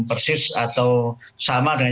persis atau sama dengan